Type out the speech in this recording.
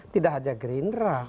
tidak hanya gerindra